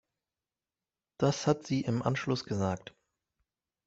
Das hat sie im Ausschuss gesagt.